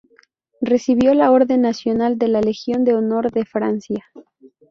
Recibió la Orden Nacional de la Legión de Honor de Francia.